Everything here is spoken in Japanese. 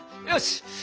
よし！